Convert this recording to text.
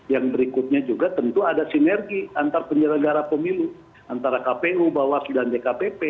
yang berikutnya juga tentu ada sinergi antar penyelenggara pemilu antara kpu bawaslu dan dkpp